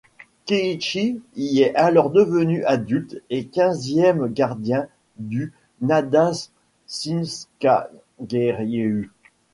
Kiichi y est alors devenu adulte et quinzième gardien du Nadashinkageryu.